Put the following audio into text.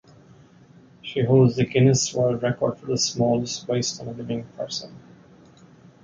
She holds the Guinness World Record for the smallest waist on a living person.